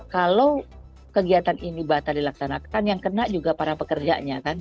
kalau kegiatan ini batal dilaksanakan yang kena juga para pekerjanya kan